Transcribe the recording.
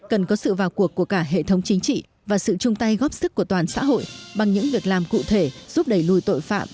cần có sự vào cuộc của cả hệ thống chính trị và sự chung tay góp sức của toàn xã hội bằng những việc làm cụ thể giúp đẩy lùi tội phạm